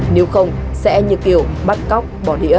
nếu không sẽ như kiểu bắt cóc bỏ đĩa